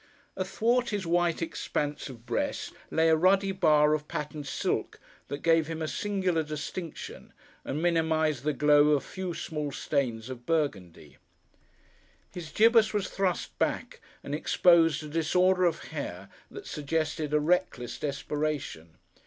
Athwart his white expanse of breast lay a ruddy bar of patterned silk that gave him a singular distinction and minimised the glow of a few small stains of burgundy. His gibus was thrust back and exposed a disorder of hair that suggested a reckless desperation.